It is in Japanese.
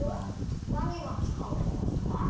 何がちがうでゴンスか？